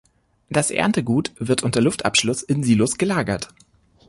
Das Erntegut wird unter Luftabschluss in Silos gelagert.